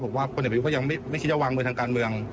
ผมว่าคนเอกประยุทธก็ยังไม่คิดจะวางมือทางการเมือง